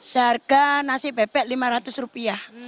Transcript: seharga nasi bebek lima ratus rupiah